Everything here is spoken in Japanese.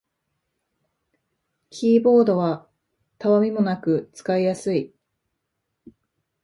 キーボードはたわみもなく使いやすい